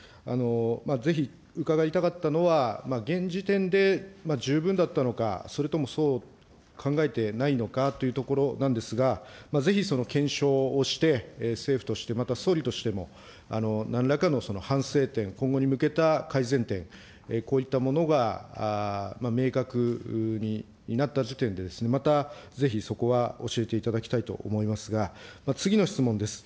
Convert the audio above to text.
ぜひ伺いたかったのは、現時点で十分だったのか、それともそう考えてないのかというところなんですが、ぜひその検証をして、政府として、また総理としても、なんらかの反省点、今後に向けた改善点、こういったものが明確になった時点で、またぜひそこは教えていただきたいと思いますが、次の質問です。